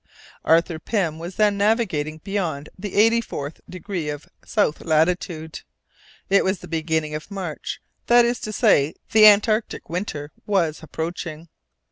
Arthur Pym was then navigating beyond the eighty fourth degree of south latitude. It was the beginning of March, that is to say, the antarctic winter was approaching.